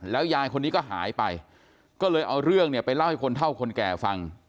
ยายคนนี้ก็หายไปก็เลยเอาเรื่องเนี่ยไปเล่าให้คนเท่าคนแก่ฟัง